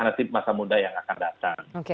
nanti masa muda yang akan datang